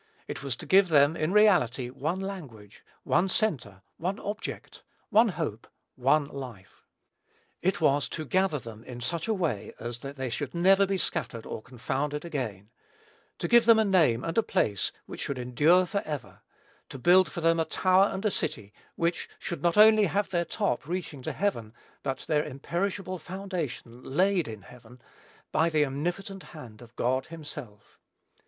It was to give them, in reality, one language, one centre, one object, one hope, one life. It was to gather them in such a way as that they never should be scattered or confounded again; to give them a name and a place which should endure forever; to build for them a tower and a city which should not only have their top reaching to heaven, but their imperishable foundation laid in heaven, by the omnipotent hand of God himself.